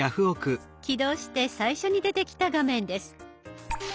起動して最初に出てきた画面です。